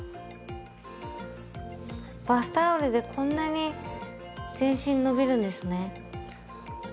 バスタオルでこんなに全身伸びるんですね。